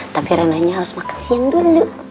tapi ranahnya harus makan siang dulu